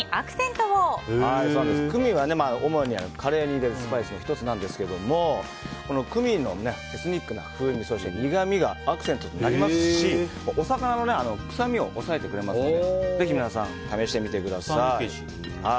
クミンは主にカレーに入れるスパイスの１つですがクミンのエスニックな風味そして苦みがアクセントとなりますしお魚の臭みを抑えてくれるのでぜひ皆さん、試してみてください。